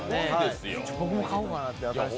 僕も買おうかなって。